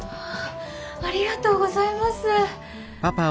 ありがとうございます！